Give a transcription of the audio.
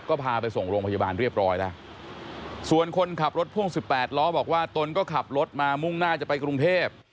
ก็พาไปส่งโรงพยาบาลเรียบร้อยแล้วส่วนคนขับรถพ่วง๑๘ล้อบอกว่าตนก็ขับรถมามุ่งหน้าจะไปกรุงเทพ